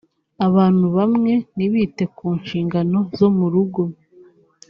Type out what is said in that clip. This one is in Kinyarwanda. abantu bamwe ntibite ku nshingano zo mu rugo